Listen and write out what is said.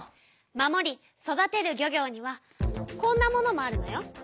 「守り育てる漁業」にはこんなものもあるのよ。